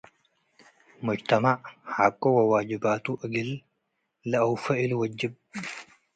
ሙጅተመዕ ሐቁ ወ ዋጅባቱ እግል ለአውፌ እሉ ወጅብ።